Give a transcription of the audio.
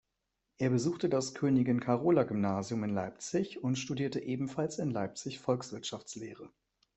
Er besuchte das Königin-Carola-Gymnasium in Leipzig und studierte ebenfalls in Leipzig Volkswirtschaftslehre.